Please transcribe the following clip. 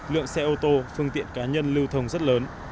lượng xe ô tô phương tiện cá nhân lưu thông rất lớn